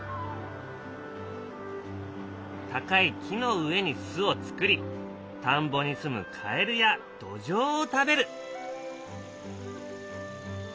高い木の上に巣を作り田んぼにすむカエルやドジョウを食べる。